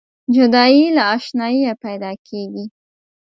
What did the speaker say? جدایي له اشناییه پیداکیږي.